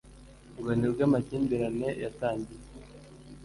ngo nibwo amakimbirane yatangiye